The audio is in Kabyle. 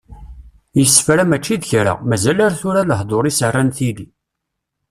Yessefra mačči d kra, mazal ar tura, lehdur-is rran tili.